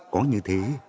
có như thế